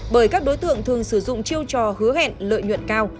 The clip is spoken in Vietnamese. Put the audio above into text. bởi các đối tượng thường sử dụng chiêu trò hứa hẹn lợi nhuận cao